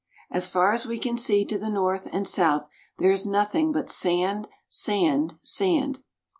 As far as we can see to the north and south there is nothing but sand, sand, sand.